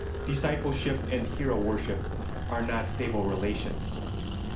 ] Discipleship and hero worship are not stable relations.